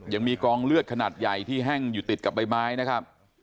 ยังมีกองเลือดขนาดใหญ่ที่แห้งอยู่ติดกับใบไม้นะครับ